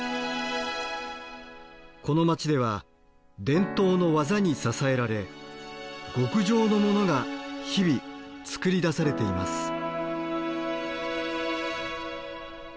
この街では伝統の技に支えられ極上のモノが日々作り出されています。